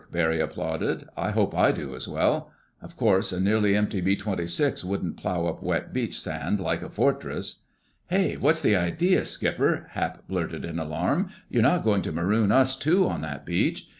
Barry applauded. "I hope I do as well. Of course a nearly empty B 26 wouldn't plow up wet beach sand like a fortress...." "Hey! What's the idea, Skipper?" Hap blurted in alarm. "You're not going to maroon us too on that beach?